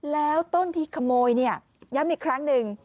แล้วต้นที่ขโมยเนี่ยย้ำอีกครั้งหนึ่ง